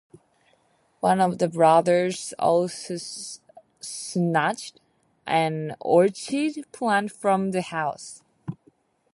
One of the brothers also snatched an orchid plant from the house.